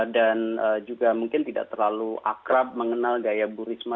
dan juga mungkin tidak terlalu akrab mengenal gaya bu risma